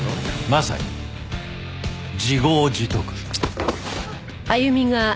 まさに自業自得。